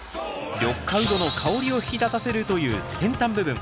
緑化ウドの香りを引き立たせるという先端部分。